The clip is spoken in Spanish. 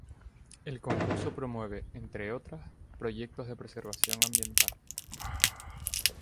El concurso promueve, entre otras, proyectos de preservación ambiental.